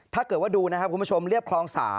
ถ้าเกิดว่าดูนะครับคุณผู้ชมเรียบคลอง๓